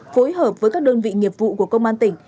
phối hợp với các đơn vị nghiệp vụ của công an tỉnh